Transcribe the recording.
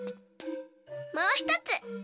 もうひとつ。